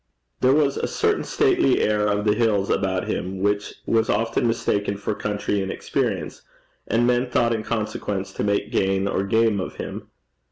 There was a certain stately air of the hills about him which was often mistaken for country inexperience, and men thought in consequence to make gain or game of him.